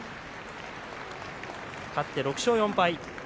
勝って６勝４敗。